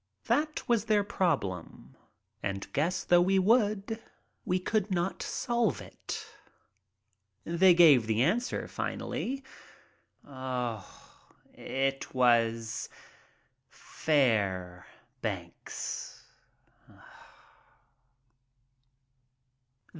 That was their problem, and, guess though we would, we could not solve it. They gave the answer finally. It was "Fairbanks."